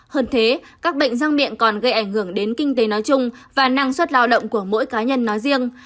hơn thế các bệnh răng miệng còn gây ảnh hưởng đến kinh tế nói chung và năng suất lao động của mỗi cá nhân nói riêng